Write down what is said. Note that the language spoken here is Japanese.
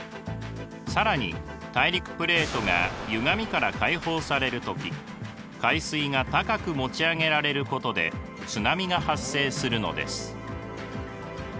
更に大陸プレートがゆがみから解放される時海水が高く持ち上げられることで津波が発生するのです。